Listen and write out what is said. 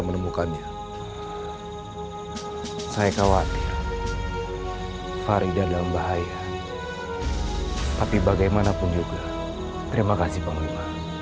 menemukannya saya khawatir farida dalam bahaya tapi bagaimanapun juga terima kasih panglima